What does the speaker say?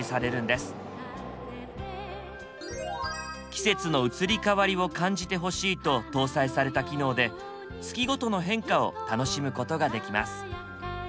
季節の移り変わりを感じてほしいと搭載された機能で月ごとの変化を楽しむことができます。